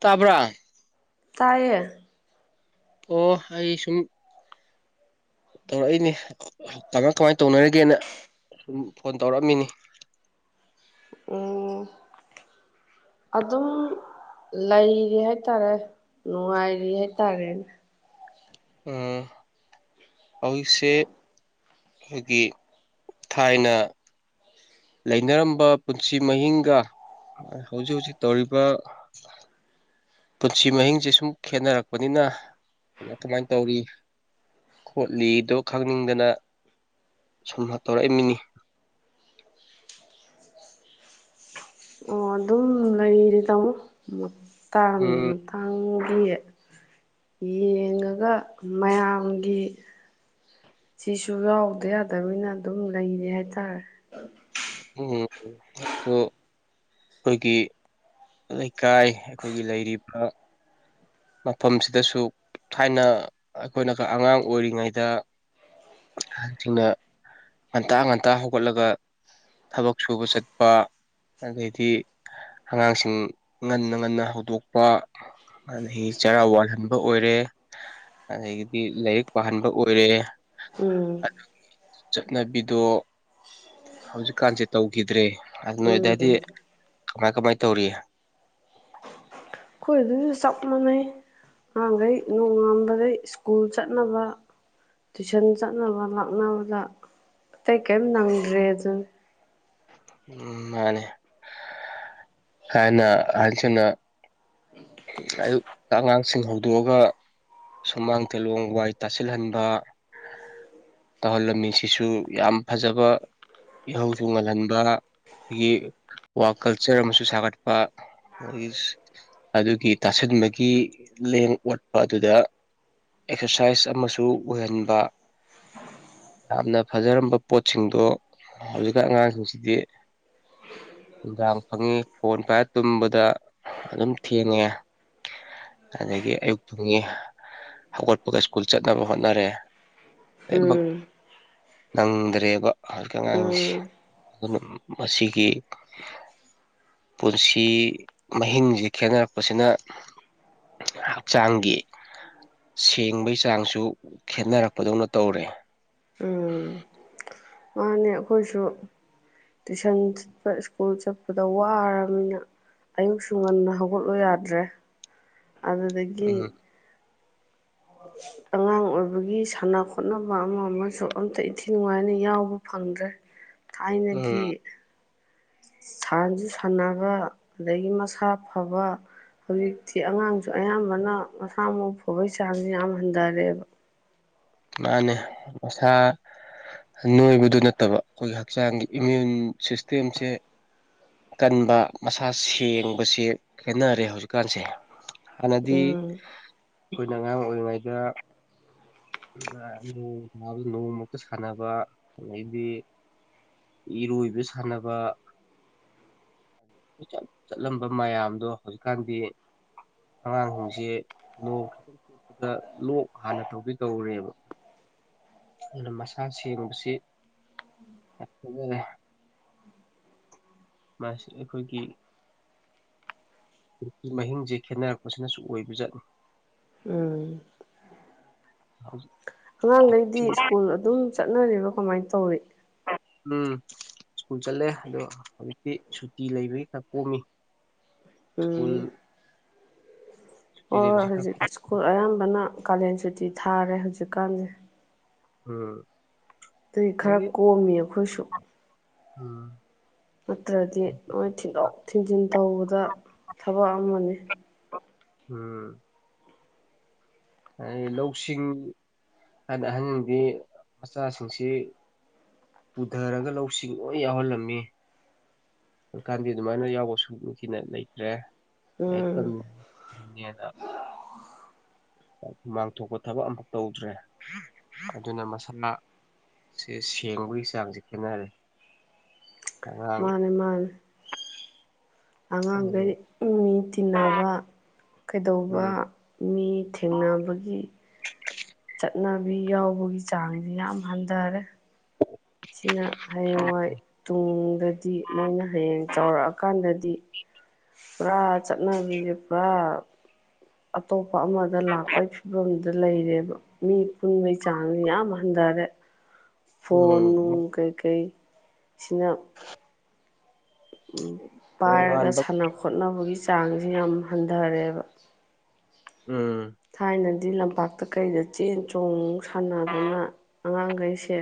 [inaudible] ꯇꯥꯕ꯭ꯔꯥ ꯇꯌꯦ ꯑꯣ ꯑꯩ ꯁꯨꯝ ꯇꯧꯔꯛꯏꯅꯦ ꯀꯃꯥꯏ ꯀꯃꯥꯏꯅ ꯇꯧꯅꯔꯒꯦꯅ ꯁꯨꯝ ꯐꯣꯟ ꯇꯧꯔꯛꯑꯃꯤꯅꯤ ꯎꯝ ꯑꯗꯨꯝ ꯂꯩꯔꯤ ꯍꯥꯏꯇꯥꯔꯦ ꯅꯨꯡꯉꯥꯏꯔꯤ ꯍꯥꯏꯇꯥꯔꯦꯅꯦ ꯎꯝ ꯍꯧꯁꯤ ꯑꯩꯈꯣꯏꯒꯤ ꯊꯥꯏꯅ ꯂꯩꯅꯔꯝꯕ ꯄꯨꯟꯁꯤ ꯃꯍꯤꯡꯒ ꯍꯧꯖꯤꯛ ꯍꯧꯖꯤꯛ ꯇꯧꯔꯤꯕ ꯄꯨꯟꯁꯤ ꯃꯍꯤꯡꯁꯦ ꯁꯨꯝ ꯈꯦꯠꯅꯔꯛꯄꯅꯤꯅ ꯀꯃꯥꯏꯅ ꯇꯧꯔꯤ ꯈꯣꯠꯂꯤꯗꯣ ꯈꯪꯅꯤꯡꯗꯅ ꯁꯨꯝ ꯇꯧꯔꯛꯏꯃꯤꯅꯤ ꯑꯣ ꯑꯗꯨꯝ ꯂꯩꯔꯤ ꯇꯥꯃꯣ ꯇꯥꯡ ꯎꯝ ꯇꯥꯡ ꯁꯤ ꯌꯦꯡꯉꯒ ꯃꯌꯥꯝꯒꯤ ꯁꯤꯁꯨ ꯌꯥꯎꯗ ꯌꯥꯗꯕꯅꯤꯅ ꯑꯗꯨꯝ ꯂꯩꯔꯦ ꯍꯥꯏꯇꯥꯔꯦ ꯎꯝ ꯑꯩꯈꯣꯏꯒꯤ ꯂꯩꯀꯥꯏ ꯑꯩꯈꯣꯏꯒꯤ ꯂꯩꯔꯤꯕ ꯃꯐꯝꯁꯤꯗꯁꯨ ꯊꯥꯏꯅ ꯑꯩꯈꯣꯏꯅ ꯑꯉꯥꯡ ꯑꯣꯏꯔꯤꯉꯩꯗ ꯑꯉꯥꯡꯁꯤꯡꯅ ꯉꯟꯇꯥ ꯉꯟꯇꯥ ꯍꯧꯒꯠꯂꯒ ꯊꯕꯛ ꯁꯨꯕ ꯆꯠꯄ ꯑꯗꯩꯗꯤ ꯑꯉꯥꯡꯁꯤꯡ ꯉꯟꯅ ꯉꯟꯅ ꯍꯧꯗꯣꯛꯄꯩ ꯑꯗꯒꯤ ꯆꯔꯥ ꯋꯥꯜꯍꯟꯕ ꯑꯣꯏꯔꯦ ꯑꯗꯒꯤꯗꯤ ꯂꯥꯏꯔꯤꯛ ꯄꯥꯍꯟꯕ ꯑꯣꯏꯔꯦ ꯎꯝ ꯆꯠꯅꯕꯤꯗꯣ ꯍꯧꯖꯤꯛꯀꯥꯟꯁꯦ ꯇꯧꯈꯤꯗ꯭ꯔꯦ ꯎꯝ ꯑꯗꯨꯅꯗꯗꯤ ꯀꯃꯥꯏ ꯀꯃꯥꯏ ꯇꯧꯔꯤ ꯑꯩꯈꯣꯏ ꯑꯗꯨꯁꯨ ꯆꯞ ꯃꯥꯟꯅꯩ ꯑꯉꯥꯡꯈꯩ ꯅꯣꯡꯉꯥꯟꯕꯗꯩ ꯁ꯭ꯀꯨꯜ ꯆꯠꯅꯕ ꯇꯨꯏꯁꯟ ꯆꯠꯅꯕ ꯂꯥꯛꯅꯕꯗ ꯑꯇꯩ ꯀꯔꯤꯝ ꯅꯪꯗ꯭ꯔꯦ ꯑꯗꯨꯅ ꯎ ꯃꯥꯅꯦ ꯀꯅ ꯍꯥꯏꯁꯤꯅ ꯑꯌꯨꯛꯇ ꯑꯉꯥꯡꯁꯤꯡ ꯍꯧꯗꯣꯛꯑꯒ ꯁꯨꯃꯥꯡ ꯇꯤꯂꯣꯡ ꯋꯥꯏ ꯇꯥꯁꯤꯜꯍꯟꯕ ꯇꯧꯍꯜꯂꯝꯃꯤꯁꯤꯁꯨ ꯌꯥꯝ ꯐꯖꯕ ꯏꯍꯧꯁꯨ ꯉꯜꯍꯟꯕ ꯑꯗꯒꯤ ꯋꯥ ꯀꯜꯆꯔ ꯑꯃꯁꯨ ꯁꯥꯒꯠꯄ ꯑꯗꯒꯤ ꯑꯗꯨꯒꯤ ꯇꯥꯁꯟꯕꯒꯤ ꯂꯦꯡ ꯑꯣꯠꯄ ꯑꯗꯨꯗ ꯑꯦꯛꯁꯔꯁꯥꯏꯁ ꯑꯃꯁꯨ ꯑꯣꯏꯍꯟꯕ ꯌꯥꯝꯅ ꯐꯖꯔꯝꯕ ꯄꯣꯠꯁꯤꯡꯗꯣ ꯍꯧꯖꯤꯛꯀ ꯑꯉꯥꯡꯁꯤꯡꯁꯤꯗꯤ ꯅꯨꯡꯗꯥꯡ ꯐꯪꯉꯤ ꯐꯣꯟ ꯄꯥꯏꯔ ꯇꯨꯝꯕꯗ ꯑꯗꯨꯝ ꯊꯦꯡꯉꯦ ꯑꯗꯒꯤ ꯑꯌꯨꯛꯛꯇꯨꯡꯒꯤ ꯍꯧꯒꯠꯄꯒ ꯁ꯭ꯀꯨꯜ ꯆꯠꯅꯕ ꯍꯣꯠꯅꯔꯦ ꯂꯣꯏꯅꯃꯛ ꯎꯝ ꯅꯪꯗ꯭ꯔꯦꯕ ꯍꯧꯖꯤꯛꯀꯤ ꯑꯉꯥꯡꯁꯦ ꯎꯝ ꯑꯗꯨꯅ ꯃꯁꯤꯒꯤ ꯄꯨꯟꯁꯤ ꯃꯍꯤꯡꯁꯤ ꯈꯦꯅꯔꯛꯄꯁꯤꯅ ꯍꯛꯆꯥꯡꯒꯤ ꯁꯦꯡꯕꯩ ꯆꯥꯡꯁꯨ ꯈꯦꯅꯔꯛꯄꯗꯧꯅ ꯇꯧꯔꯦ ꯎꯝ ꯃꯥꯅꯦ ꯑꯩꯈꯣꯏꯁꯨ ꯇꯨꯏꯁꯟ ꯆꯠꯄ ꯁ꯭ꯀꯨꯜ ꯆꯠꯄꯗ ꯋꯥꯔꯕꯅꯤꯅ ꯑꯌꯨꯛꯁꯨ ꯉꯟꯅ ꯍꯧꯒꯠꯂꯨ ꯌꯥꯗ꯭ꯔꯦ ꯑꯗꯨꯗꯒꯤ ꯎꯝ ꯑꯉꯥꯡ ꯑꯣꯏꯕꯒꯤ ꯁꯥꯟꯅ ꯈꯣꯠꯅꯕ ꯑꯃ ꯑꯃꯁꯨ ꯑꯝꯇ ꯏꯊꯤ ꯅꯨꯡꯉꯥꯏꯅ ꯌꯥꯎꯕ ꯐꯪꯗ꯭ꯔꯦ ꯎꯝ ꯊꯥꯏꯅꯒꯤ ꯁꯥꯟꯁꯨ ꯁꯥꯟꯅꯕ ꯑꯗꯒꯤ ꯃꯁꯥ ꯐꯕ ꯍꯧꯖꯤꯛꯇꯤ ꯑꯉꯥꯡꯁꯨ ꯑꯌꯥꯝꯕꯅ ꯃꯁꯥ ꯃꯎ ꯐꯕꯒꯤ ꯆꯥꯡꯁꯨ ꯌꯥꯝ ꯍꯟꯊꯔꯦꯕ ꯃꯥꯅꯦ ꯃꯁꯥ ꯅꯣꯏꯕꯗꯨ ꯅꯠꯇꯕ ꯑꯩꯈꯣꯏꯒꯤ ꯍꯛꯆꯥꯡꯒꯤ ꯏꯃ꯭ꯌꯨꯟ ꯁꯤꯁꯇꯦꯝꯁꯦ ꯀꯟꯕ ꯃꯁꯥ ꯁꯦꯡꯕꯁꯦ ꯈꯦꯅꯔꯦ ꯍꯧꯖꯤꯛꯀꯥꯟꯁꯦ ꯅꯗꯤ ꯎꯝ ꯑꯩꯈꯣꯏꯅ ꯑꯉꯥꯡ ꯑꯣꯏꯔꯤꯉꯩꯗ ꯅꯣꯡꯥꯕꯗ ꯅꯣꯡꯃꯛꯇ ꯁꯥꯟꯅꯕ ꯑꯗꯩꯗꯤ ꯏꯔꯣꯏꯕ ꯁꯥꯟꯅꯕꯆꯠ ꯆꯠꯂꯝꯕ ꯃꯌꯥꯝꯗꯣ ꯍꯧꯖꯤꯛꯀꯥꯟꯗꯤ ꯑꯉꯥꯡꯍꯣꯡꯁꯦ ꯅꯣꯡ ꯈꯤꯇꯪ ꯆꯣꯠꯄꯗ ꯂꯣꯛ ꯍꯥꯟꯅ ꯇꯧꯕꯤ ꯇꯧꯔꯦꯕ ꯑꯗꯨꯅ ꯃꯁꯥ ꯁꯦꯡꯕꯁꯤ ꯐꯖꯔꯦ ꯑꯩꯈꯣꯏꯒꯤ ꯍꯧꯖꯤꯛꯀꯤ ꯃꯍꯤꯡꯁꯦ ꯈꯦꯠꯅꯔꯛꯄꯁꯤꯅꯁꯨ ꯑꯣꯏꯕ ꯆꯠꯅꯤ ꯎꯝ ꯍꯧ ꯑꯉꯥꯡꯈꯩꯗꯤ ꯁ꯭ꯀꯨꯜ ꯑꯗꯨꯝ ꯆꯠꯅꯔꯤꯕ ꯀꯃꯥꯏꯅ ꯇꯧꯔꯤ ꯎꯝ ꯁ꯭ꯀꯨꯜ ꯆꯠꯂꯦ ꯑꯗꯣ ꯍꯧꯖꯤꯛꯇꯤ ꯁꯨꯇꯤ ꯂꯩꯕꯒꯤ ꯈꯛ ꯀꯣꯝꯃꯤ ꯁ꯭ꯀꯨꯜ ꯁꯨꯇꯤ ꯑꯣ ꯂꯩꯕꯁꯤ ꯍꯧꯖꯤꯛ ꯈꯔ ꯁ꯭ꯀꯨꯜ ꯑꯌꯥꯝꯕꯅ ꯀꯥꯂꯦꯟ ꯁꯨꯇꯤ ꯊꯥꯔꯦ ꯍꯧꯖꯤꯛꯀꯥꯟꯁꯦ ꯎꯝ ꯑꯗꯨꯒꯤ ꯈꯔ ꯑꯗꯒꯤ ꯀꯣꯝꯃꯤ ꯑꯩꯈꯣꯏꯁꯨ ꯎꯝ ꯅꯠꯇ꯭ꯔꯗꯤ ꯅꯣꯏ ꯊꯤꯟꯗꯣꯛ ꯊꯤꯟꯖꯤꯟ ꯇꯧꯕꯗ ꯊꯕꯛ ꯑꯃꯅꯤ ꯎꯝ ꯍꯥꯏ ꯂꯧꯁꯤꯡ ꯑꯍꯟꯗꯤ ꯃꯆꯥꯁꯤꯡꯁꯤ ꯄꯨꯊꯔꯒ ꯂꯧꯁꯤꯡ ꯂꯣꯏ ꯌꯥꯎꯍꯜꯂꯝꯃꯤ ꯑꯗꯨꯖꯤꯀꯥꯟꯗꯤ ꯑꯗꯨꯃꯥꯏꯅ ꯌꯥꯎꯕ ꯁꯨ ꯅꯤꯡꯅꯨꯡꯊꯤꯅ ꯂꯩꯇ꯭ꯔꯦ ꯎꯝ ꯅꯦꯅ ꯃꯥꯡꯊꯣꯛꯄ ꯊꯕꯛ ꯑꯃꯐꯛ ꯇꯧꯗ꯭ꯔꯦ ꯑꯗꯨꯅ ꯃꯁꯥꯥꯁꯦ ꯁꯦꯡꯕꯒꯤ ꯆꯥꯡꯁꯦ ꯈꯦꯅꯔꯦ ꯃꯥꯅꯦ ꯃꯥꯅꯦ ꯑꯉꯥꯡꯈꯩ ꯎꯝ ꯃꯤ ꯇꯤꯟꯅꯕ ꯀꯩꯗꯧꯕ ꯃꯤ ꯊꯦꯡꯅꯕꯒꯤ ꯆꯠꯅꯕꯤ ꯌꯥꯎꯕꯒꯤ ꯆꯥꯡꯁꯤ ꯌꯥꯝ ꯍꯟꯊꯔꯦ ꯁꯤꯅ ꯍꯌꯦꯡꯋꯥꯏ ꯇꯨꯡꯗꯗꯤ ꯃꯣꯏꯅ ꯍꯌꯦꯡ ꯆꯥꯎꯧꯔꯛꯑꯀꯥꯟꯗ ꯑꯃꯗꯤ ꯄꯨꯔꯥ ꯆꯠꯅꯕꯤꯁꯦ ꯄꯨꯔꯥ ꯑꯇꯣꯞ ꯑꯃꯗ ꯂꯥꯛꯄꯒꯤ ꯐꯤꯕꯝ ꯗ ꯂꯩꯔꯦꯕ ꯃꯤ ꯄꯨꯟꯕꯒꯤ ꯆꯥꯡꯁ ꯌꯥꯝ ꯍꯟꯊꯔꯦ ꯎꯝ ꯐꯣꯟꯣꯟ ꯀꯩ ꯀꯩ ꯁꯤꯅ ꯎꯝ ꯄꯥꯏꯔꯒ ꯅꯣꯡꯉꯥꯟꯕ ꯁꯥꯟꯅ ꯈꯣꯠꯅꯕꯒꯤ ꯆꯥꯡꯁꯤꯦ ꯌꯥꯝ ꯍꯟꯊꯔꯦꯕ ꯑꯁ ꯎꯝ ꯍꯥꯏꯗꯤ ꯂꯝꯄꯥꯛꯇ ꯀꯩꯗ ꯆꯦꯟ ꯆꯣꯡ ꯁꯥꯟꯅꯗꯅ ꯑꯉꯥꯡꯈꯩꯁꯦ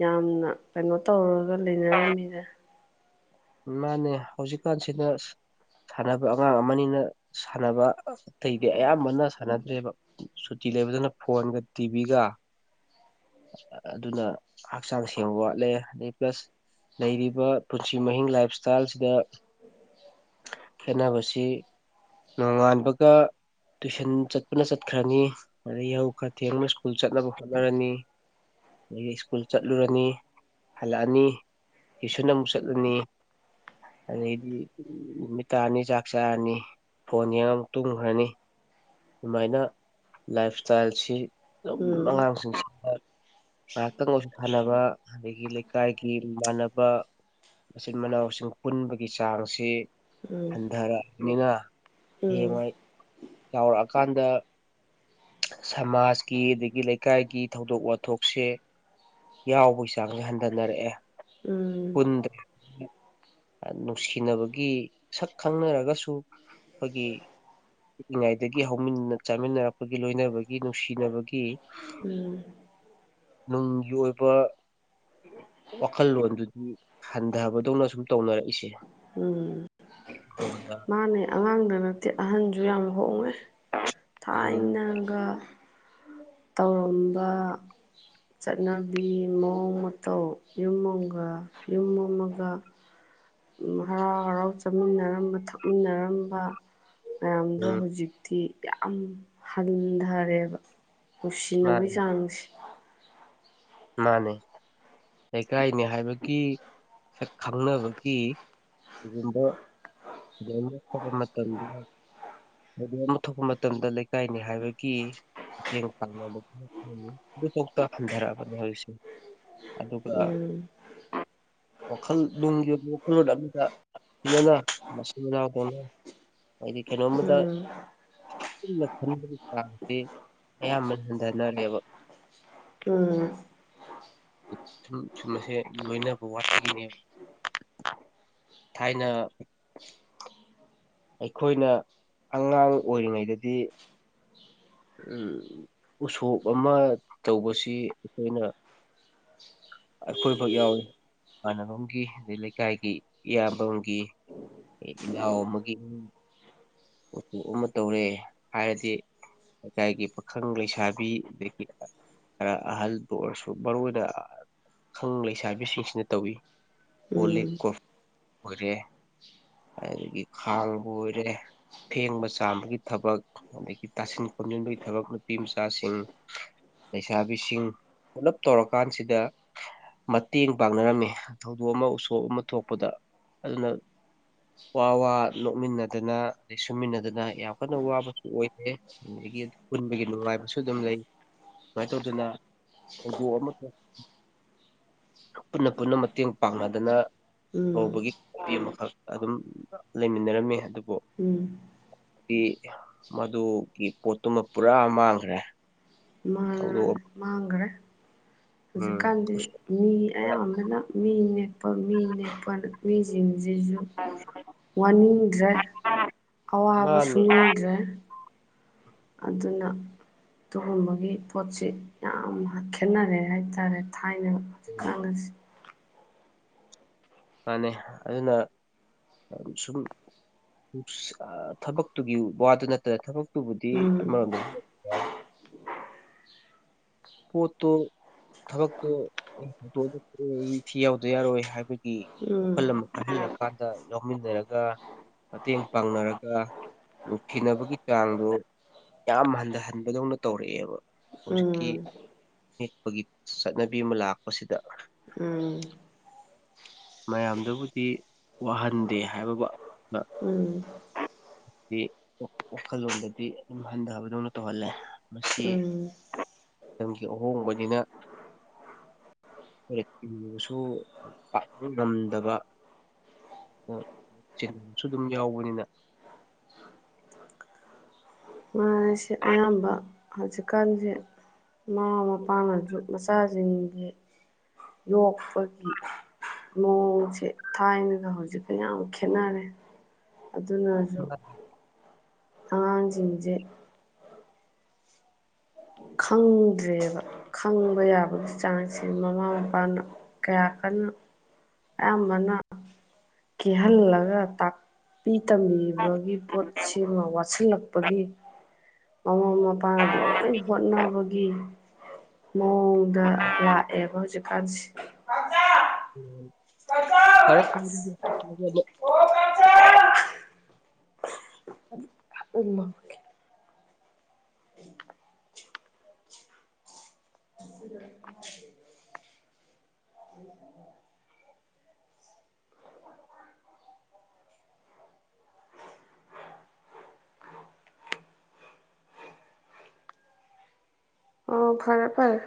ꯌꯥꯝꯅ ꯀꯩꯅꯣ ꯇꯧꯔ ꯑꯗꯨꯒ ꯂꯩꯅꯔꯝꯃꯤꯗ ꯃꯥꯅꯦ ꯍꯧꯖꯤꯛꯀꯥꯟꯁꯤꯅ ꯁꯥꯟꯅꯕ ꯑꯉꯥꯡ ꯑꯃꯅꯤꯅ ꯁꯥꯟꯅꯕ ꯇꯩꯗꯤꯦ ꯑꯌꯥꯝꯕꯅ ꯁꯥꯟꯅꯗꯦ ꯕ ꯁꯨꯇꯤ ꯂꯩꯕꯗꯨꯅ ꯐꯣꯟꯒ ꯇꯤꯚꯤꯒ ꯑꯗꯨꯅ ꯍꯛꯆꯥꯡ ꯁꯦꯡꯕ ꯋꯥꯠꯂꯦ ꯑꯗꯩ ꯄ꯭ꯂꯁ ꯂꯩꯔꯤꯕ ꯄꯨꯟꯁꯤ ꯃꯍꯤꯡ ꯂꯥꯏꯞ ꯏꯁꯇꯥꯏꯜꯁꯤꯗ ꯈꯦꯅꯕꯁꯤ ꯅꯣꯡꯉꯥꯟꯕꯒ ꯇꯨꯏꯁꯟ ꯆꯠꯄꯅ ꯆꯠꯈ꯭ꯔꯅꯤ ꯑꯗꯩ ꯌꯍꯧ ꯈꯔ ꯊꯦꯡꯕꯅ ꯁ꯭ꯀꯨꯜ ꯆꯠꯅꯕ ꯍꯣꯠꯅꯔꯅꯤ ꯑꯩꯗꯤ ꯁ꯭ꯀꯨꯜ ꯆꯠꯂꯨꯔꯅꯤ ꯍꯜꯂꯛꯑꯅꯤ ꯇꯨꯁꯟ ꯑꯃꯨꯛ ꯆꯠꯂꯅꯤ ꯑꯗꯩꯗꯤ ꯅꯨꯃꯤꯠ ꯇꯥꯔꯅꯤ ꯆꯥꯛ ꯆꯥꯔꯅꯤ ꯐꯣꯟ ꯌꯦꯡꯉ ꯑꯃꯨꯛ ꯇꯨꯝꯈ꯭ꯔꯅꯤ ꯑꯗꯨꯃꯥꯏꯅ ꯂꯥꯏꯞ ꯏꯁꯇꯥꯏꯜꯁꯤ ꯎꯝ ꯑꯉꯥꯡꯁꯤꯡꯁꯤ ꯉꯥꯏꯍꯥꯛꯇꯪ ꯑꯣꯏꯁꯨ ꯁꯥꯅꯕ ꯑꯗꯒꯤ ꯂꯩꯀꯥꯏꯒꯤ ꯃꯃꯅꯕ ꯃꯆꯤꯟ ꯃꯅꯥꯎꯁꯤꯡ ꯄꯨꯟꯕꯒꯤ ꯆꯥꯡꯁꯤ ꯎꯝ ꯍꯟꯗꯔ ꯃꯤꯅ ꯎꯝ ꯌꯦꯡꯉꯩ ꯌꯥꯎꯔꯛꯑꯀꯥꯟꯗ ꯁꯃꯥꯖꯀꯤ ꯑꯗꯒꯤ ꯂꯩꯀꯥꯏꯒꯤ ꯊꯧꯗꯣꯛ ꯋꯥꯊꯣꯛꯁꯦ ꯌꯥꯎꯕꯒꯤ ꯆꯥꯡꯁꯦ ꯍꯟꯊꯅꯔꯛꯑꯦ ꯎꯝ ꯄꯨꯟꯗ ꯅꯨꯡꯁꯤꯅꯕꯒꯤ ꯁꯛ ꯈꯪꯅꯔꯒꯁꯨ ꯑꯩꯈꯣꯏꯒꯤ ꯄꯤꯛꯏꯉꯩꯗꯒꯤ ꯍꯧꯃꯤ ꯆꯥꯃꯤꯟꯅꯔꯛꯄ ꯒꯤ ꯂꯣꯏꯅꯕꯒꯤ ꯅꯨꯡꯁꯤꯅꯕꯒꯤ ꯎꯝ ꯅꯨꯡꯒꯤ ꯑꯣꯏꯕ ꯋꯥꯈꯜꯂꯣꯟꯗꯨꯗꯤ ꯍꯟꯊꯕꯗꯧꯅ ꯁꯨꯝ ꯇꯧꯅꯔꯛꯏꯁꯦ ꯎꯝ ꯑꯃꯔꯣꯝꯗ ꯃꯥꯅꯦ ꯑꯉꯥꯡꯗ ꯅꯠꯇꯦ ꯑꯍꯟꯁꯨ ꯌꯥꯝ ꯍꯣꯡꯉꯦ ꯎꯝ ꯊꯥꯏꯅꯒ ꯇꯧꯔꯝꯕ ꯆꯠꯅꯕꯤ ꯃꯑꯣꯡ ꯃꯇꯧ ꯌꯨꯝ ꯑꯃꯒ ꯌꯨꯝ ꯑꯃꯒ ꯍꯔꯥꯎ ꯍꯔꯥꯎ ꯆꯥꯃꯤꯟꯅꯔꯝꯕ ꯊꯛꯃꯤꯟꯅꯔꯝꯕ ꯃꯌꯥꯝꯗ ꯎꯝ ꯍꯧꯖꯤꯛꯇꯤ ꯌꯥꯝ ꯍꯟꯊꯔꯦꯕ ꯍꯁꯤꯅꯕꯕꯨ ꯃꯥꯅꯦ ꯆꯥꯡꯁꯤ ꯃꯥꯅꯦ ꯂꯩꯀꯥꯏꯅꯤ ꯍꯥꯏꯕꯒꯤ ꯁꯛ ꯈꯪꯅꯕꯒꯤ ꯀꯒꯨꯝꯕ ꯀꯩꯅꯣ ꯊꯣꯛꯄ ꯃꯇꯝꯗ ꯀꯗꯣꯝ ꯑꯃ ꯊꯣꯛꯄ ꯃꯇꯝꯗ ꯂꯩꯀꯥꯏꯅꯤ ꯍꯥꯏꯕꯒꯤ ꯃꯇꯦꯡ ꯄꯥꯡꯅꯕꯗꯨ ꯑꯗꯨꯐꯥꯎꯗ ꯍꯟꯊꯔꯛꯑ ꯑꯗꯨꯗꯁ ꯎꯝ ꯋꯥꯈꯜ ꯅꯨꯡꯒꯤ ꯑꯣꯏꯕ ꯋꯥꯈꯜꯂꯣꯟ ꯑꯃꯗ ꯐꯅꯅ ꯃꯆꯤꯟ ꯃꯅꯥꯎ ꯇꯧꯅ ꯍꯥꯏꯗꯤ ꯀꯩꯅꯣꯝꯃꯗ ꯎꯝ ꯆꯨꯝꯅ ꯈꯟꯕꯒꯤ ꯆꯥꯡꯁꯤ ꯑꯌꯥꯝꯕꯅ ꯍꯟꯊꯅꯔꯦꯕ ꯎꯝ ꯁꯨꯝ ꯁꯨꯝ ꯑꯁꯦ ꯂꯣꯏꯅꯕ ꯋꯥꯠꯄꯒꯤꯅꯦꯕ ꯊꯥꯏꯅ ꯑꯩꯈꯣꯏꯅ ꯑꯉꯥꯡ ꯑꯣꯏꯔꯤꯉꯩꯗꯗꯤ ꯎꯁꯣꯞ ꯑꯃ ꯇꯧꯕꯁꯤ ꯑꯩꯈꯣꯏꯅ ꯑꯩꯈꯣꯏ ꯐꯥꯎ ꯌꯥꯎꯏ ꯏꯃꯥꯟꯅꯅꯕꯒꯤ ꯑꯗꯩ ꯂꯩꯀꯥꯏꯒꯤ ꯏꯌꯥꯝꯕꯒꯤ ꯏꯜꯍꯥꯎ ꯑꯃꯒꯤꯨꯡ ꯎꯄꯣꯛ ꯑꯃ ꯇꯧꯔꯦ ꯍꯥꯏꯔꯗꯤ ꯂꯩꯀꯥꯏꯒꯤ ꯄꯥꯈꯪ ꯂꯩꯁꯥꯕꯤ ꯑꯗꯒꯤ ꯈꯔ ꯑꯍꯜꯕꯨ ꯑꯣꯏꯔꯁꯨ ꯃꯔꯨ ꯑꯣꯏꯅ ꯄꯥꯈꯪ ꯂꯩꯁꯥꯕꯤꯁꯤꯡꯁꯤꯅ ꯇꯧꯏꯤ ꯑꯣꯣꯂꯤ ꯎꯝ ꯀꯣꯐ ꯑꯣꯏꯔꯦ ꯑꯗꯨꯗꯒꯤ ꯈꯥꯡꯕꯨ ꯑꯣꯏꯔꯦ ꯐꯦꯡꯕ ꯆꯥꯝꯕꯒꯤ ꯊꯕꯛ ꯑꯗꯒꯤ ꯇꯥꯁꯤꯟ ꯈꯣꯝꯖꯤꯟꯕꯒꯤ ꯊꯕꯛ ꯅꯨꯄꯤ ꯃꯆꯥꯁꯤꯡ ꯂꯩꯁꯥꯕꯤꯁꯤꯡ ꯄꯨꯂꯞ ꯇꯧꯔꯀꯥꯟꯁꯤꯗ ꯃꯇꯦꯡ ꯄꯥꯡꯅꯔꯝꯃꯤ ꯊꯧꯗꯣꯛ ꯑꯃ ꯎꯁꯣꯞ ꯑꯃ ꯊꯣꯛꯄꯗ ꯑꯗꯨꯅ ꯋꯥ ꯋꯥ ꯅꯣꯛꯃꯤꯟꯅꯗꯅ ꯑꯗꯩ ꯁꯨꯃꯤꯟꯅꯗꯅ ꯌꯥꯝ ꯀꯟꯅ ꯋꯥꯕꯁꯨ ꯑꯣꯏꯔꯦ ꯑꯗꯒꯤ ꯄꯨꯟꯕꯒꯤ ꯅꯨꯡꯉꯥꯏꯕꯁꯨ ꯑꯗꯨꯝ ꯂꯩ ꯁꯨꯃꯥꯏꯅ ꯇꯧꯗꯅ ꯊꯧꯗꯣꯛ ꯑꯃ ꯄꯨꯟꯅ ꯄꯨꯟꯅ ꯃꯇꯦꯡ ꯄꯥꯡꯅꯗꯅ ꯎꯝ ꯍꯧꯕꯒꯤ ꯑꯃꯈꯛ ꯑꯗꯨꯝ ꯂꯩꯃꯤꯟꯅꯔꯝꯃꯦ ꯑꯗꯨꯕꯨ ꯎꯝ ꯗꯤ ꯃꯗꯨꯒꯤ ꯄꯣꯠꯇꯨꯃ ꯄꯨꯔꯥ ꯃꯥꯡꯈ꯭ꯔꯦ ꯃꯥ ꯊꯧꯗꯣꯛ ꯑꯃ ꯃꯥꯥꯡꯒꯔ ꯎꯝ ꯍꯧꯖꯤꯛꯀꯥꯟꯗꯤ ꯎꯁꯣꯞꯇ꯫ ꯃꯤ ꯑꯌꯥꯝꯕꯅ ꯃꯤ ꯅꯦꯛ ꯃꯤꯅꯦ ꯃꯤ ꯁꯤꯡꯁꯤꯁꯨ ꯋꯥꯅꯤꯡꯗ꯭ꯔꯦ ꯑꯋꯥꯕ ꯃꯥꯅꯦ ꯁꯨꯅꯤꯡꯗ꯭ꯔꯦ ꯑꯗꯨꯅ ꯑꯗꯨꯒꯨꯝꯕꯒꯤ ꯄꯣꯠꯁꯤ ꯌꯥꯝ ꯈꯦꯠꯅꯔꯦ ꯍꯥꯏꯇꯥꯔꯦ ꯍꯥꯏꯅ ꯈꯪꯅꯁꯤ ꯃꯥꯥꯟꯅꯩ ꯑꯗꯨꯅ ꯁꯨꯝ ꯊꯕꯛꯇꯨꯒꯤ ꯋꯥꯗꯨ ꯅꯠꯇꯅ ꯊꯕꯛ ꯄꯨꯕꯨꯗꯤ ꯎꯝ ꯄꯣꯠꯇꯣ ꯊꯕꯛꯇꯣ ꯍꯗꯣꯛꯑ ꯑꯩ ꯊꯤ ꯌꯥꯎꯗ ꯌꯥꯔꯣꯏ ꯍꯥꯏꯕꯒꯤ ꯎꯝ ꯍꯜꯂꯝꯍꯜꯂ ꯀꯥꯟꯗ ꯌꯥꯎꯃꯤꯟꯅꯔꯒ ꯃꯇꯦꯡ ꯄꯥꯡꯅꯔꯒ ꯅꯨꯡꯊꯅꯕꯒꯤ ꯆꯥꯡꯗ ꯌꯥꯝ ꯍꯟꯊꯍꯟꯕꯗꯧꯅ ꯇꯧꯔꯛꯑꯦꯕ ꯎꯝ ꯌꯦꯦꯛꯄꯒꯤ ꯆꯠꯅꯕꯤ ꯑꯃ ꯂꯥꯛꯄꯁꯤꯗ ꯎꯝ ꯃꯌꯥꯝꯗꯨꯕꯨꯗꯤ ꯋꯥꯍꯟꯗꯦ ꯍꯥꯏꯕꯕꯨ ꯎꯝ ꯋꯥꯈꯜꯂꯣꯟꯗꯗꯤ ꯑꯗꯨꯝ ꯍꯟꯊꯕꯗꯧꯅ ꯇꯧꯍꯜꯂꯦ ꯃꯁꯤ ꯎꯝ ꯃꯇꯝꯒꯤ ꯑꯍꯣꯡꯕꯅꯤꯅ ꯏꯤꯕꯁꯨ ꯄꯥꯛ ꯉꯝꯗꯕ ꯆꯤꯕꯁꯨ ꯑꯗꯨꯝ ꯌꯥꯎꯕꯅꯤꯅ ꯃꯥꯁ ꯑꯌꯥꯝꯕ ꯍꯧꯖꯤꯛꯀꯥꯟꯁꯦ ꯃꯃꯥ ꯃꯄꯥꯅꯁꯨ ꯃꯆꯥꯁꯤꯡꯒꯤ ꯌꯣꯛꯄꯒꯤ ꯃꯑꯣꯡꯁꯦ ꯊꯥꯏꯅꯒ ꯍꯧꯖꯤꯛꯀ ꯌꯥꯝ ꯈꯦꯠꯅꯔꯦ ꯑꯗꯨꯅꯁꯨ ꯑꯉꯥꯡꯁꯤꯡꯁꯦ ꯈꯪꯗ꯭ꯔꯦꯕ ꯈꯪꯕ ꯌꯥꯕꯒꯤ ꯆꯥꯡꯁꯦ ꯃꯃꯥ ꯃꯄꯥꯅ ꯀꯌꯥ ꯀꯟꯅ ꯑꯌꯥꯝꯕꯅ ꯀꯤꯍꯜꯂꯒ ꯇꯄꯤ ꯇꯝꯕꯤꯕꯒꯤ ꯄꯣꯠꯁꯤꯃ ꯋꯥꯠꯁꯤꯜꯂꯛꯄꯒꯤ ꯑ ꯏꯄꯥꯥꯟꯅ ꯂꯣꯏ ꯍꯣꯠꯅꯕꯒꯤ ꯑꯣ ꯗ ꯂꯥꯛꯑꯦꯕ ꯍꯧꯖꯤꯛꯀꯥꯟꯁꯤꯦ ꯑꯗ ꯎꯝ ꯐꯔꯦ ꯎꯃ [inaudible] ꯑꯣ ꯐꯔꯦ ꯐꯔꯦ